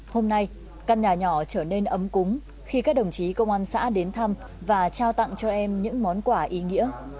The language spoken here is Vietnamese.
hôm nay căn nhà nhỏ trở nên ấm cúng khi các đồng chí công an xã đến thăm và trao tặng cho em những món quà ý nghĩa